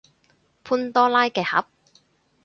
潘多拉嘅盒